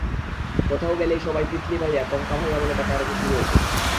কোথাও গেলেই সবাই তিতলি ভাইয়া, কঙ্কা ভাইয়া বলে ডাকাডাকি শুরু হতো।